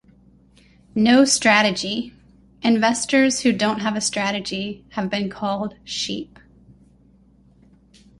No strategy: Investors who don't have a strategy have been called Sheep.